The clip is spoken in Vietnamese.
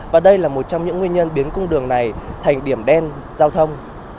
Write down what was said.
và đây là một trong những nguyên nhân biến cung đường này thành điểm đen giao thông